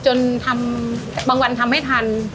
จนทำบางวันทำไม่ทัน